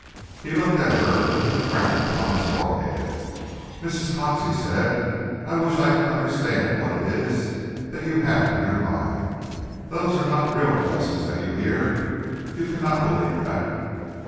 Hamel looked at her with a frown upon his forehead. "Mrs. Cox," he said, "I wish I could understand what it is that you have in your mind. Those are not real voices that you hear; you cannot believe that?"